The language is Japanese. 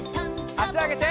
あしあげて。